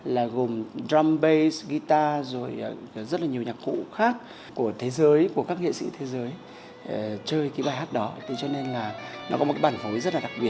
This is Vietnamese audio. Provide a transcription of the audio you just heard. là gồm drum bass guitar rồi rất là nhiều nhạc cụ khác của thế giới của các nghệ sĩ thế giới